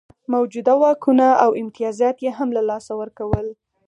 موجوده واکونه او امتیازات یې هم له لاسه ورکول.